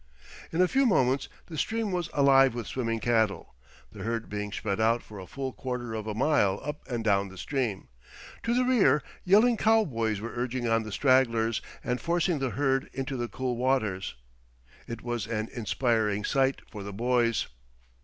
In a few moments the stream was alive with swimming cattle, the herd being spread out for a full quarter of a mile up and down the stream. To the rear, yelling cowboys were urging on the stragglers and forcing the herd into the cool waters. It was an inspiring sight for the boys.